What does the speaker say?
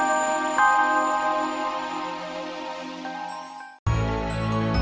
suka sih mau mandi